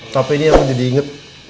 tapi ini yang menjadi inget